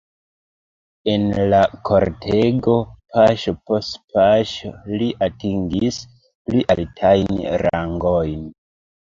En la kortego paŝo post paŝo li atingis pli altajn rangojn.